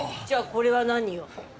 じゃあこれは何よ？